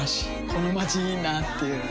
このまちいいなぁっていう